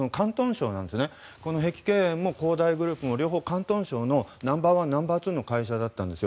特に碧桂園も恒大グループも広東省のナンバー２、ナンバー３の会社だったんです。